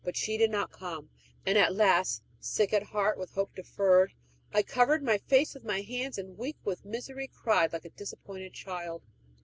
But she did not come; and at last, sick at heart with hope deferred, I covered my face with my hands, and, weak with misery, cried like a disappointed child.